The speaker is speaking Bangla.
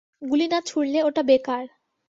গুলি না ছুড়লে ওটা বেকার।